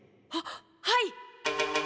はっはい！